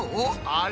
あれ？